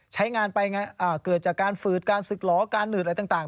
ใช้งานไปเกิดจากการฝืดการศึกหลอการหืดอะไรต่าง